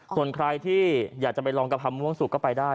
ส่วนใครที่อยากจะไปลองกะเพราม่วงสุกก็ไปได้